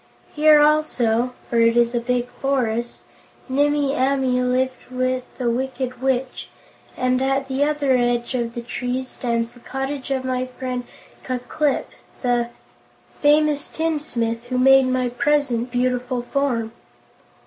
Here, also for it is a big forest Nimmie Amee lived with the Wicked Witch, and at the other edge of the trees stands the cottage of my friend Ku Klip, the famous tinsmith who made my present beautiful form."